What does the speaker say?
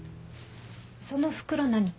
その袋何？